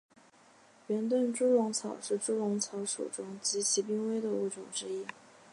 圆盾猪笼草是猪笼草属中极其濒危的物种之一。